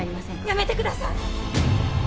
「やめてください！」